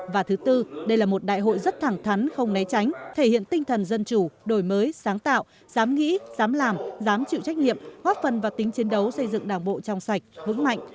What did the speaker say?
và thứ tư đây là một đại hội rất thẳng thắn không né tránh thể hiện tinh thần dân chủ đổi mới sáng tạo dám nghĩ dám làm dám chịu trách nhiệm góp phần vào tính chiến đấu xây dựng đảng bộ trong sạch vững mạnh